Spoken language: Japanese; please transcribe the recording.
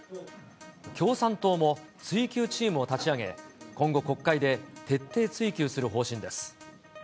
共産党も追及チームを立ち上げ、今後、国会で徹底追及する方針です。